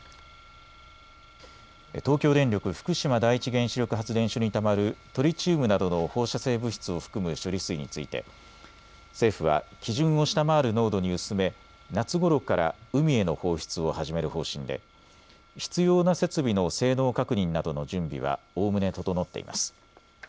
東京電力福島第一原子力発電所にたまるトリチウムなどの放射性物質を含む処理水について政府は基準を下回る濃度に薄め夏ごろから海への放出を始める方針で必要な設備の性能確認などの準備はおおむね整っています。